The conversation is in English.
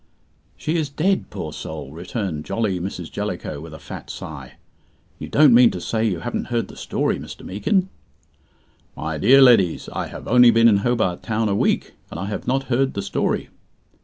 "She is dead, poor soul," returned jolly Mrs. Jellicoe, with a fat sigh. "You don't mean to say you haven't heard the story, Mr. Meekin?" "My dear leddies, I have only been in Hobart Town a week, and I have not heard the story."